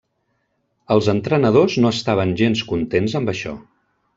Els entrenadors no estaven gens contents amb això.